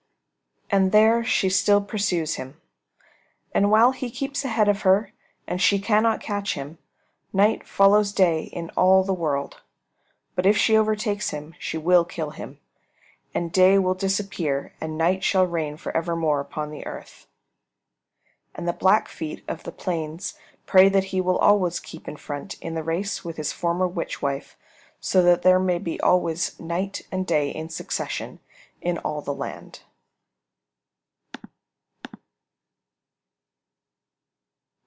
And there she still pursues him. And while he keeps ahead of her and she cannot catch him, night follows day in all the world. But if she overtakes him she will kill him, and day will disappear and night shall reign for evermore upon the earth. And the Blackfeet of the plains pray that he will always keep in front in the race with his former witch wife, so that there may be always Night and Day in succession in all the land.